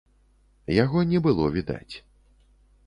Яго не было відаць.